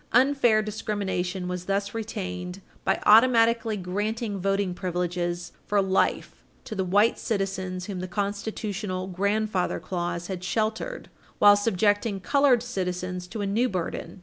Unfair discrimination was thus retained by automatically granting voting privileges for life to the white citizens whom the constitutional "grandfather clause" had sheltered while subjecting colored citizens to a new burden.